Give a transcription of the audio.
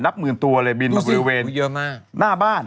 นับหมื่นตัวเลยบินมาบริเวณหน้าบ้าน